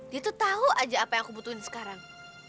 dia tuh tahu aja apa yang aku butuhin sekarang